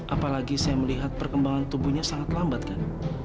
apalagi saya melihat perkembangan tubuhnya sangat lambat kan